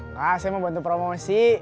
nah saya mau bantu promosi